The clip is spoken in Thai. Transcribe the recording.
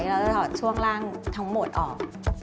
เราจะถอดช่วงล่างทั้งหมดออก